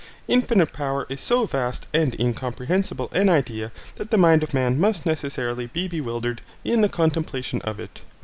Infinite power is so vast and incomprehensible an idea that the mind of man must necessarily be bewildered in the contemplation of it.